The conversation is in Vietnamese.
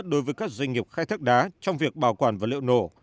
đối với các doanh nghiệp khai thác đá trong việc bảo quản vật liệu nổ